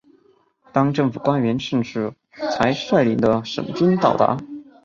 当政府官员盛世才率领的省军到达。